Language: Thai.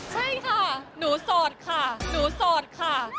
ใช่ค่ะหนูโสดค่ะ